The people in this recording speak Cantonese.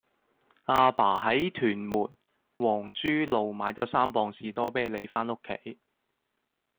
亞爸喺屯門皇珠路買左三磅士多啤梨返屋企